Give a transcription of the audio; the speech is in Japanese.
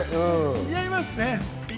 似合いますね。